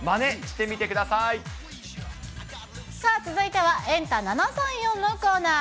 さあ、続いては、エンタ７３４のコーナー。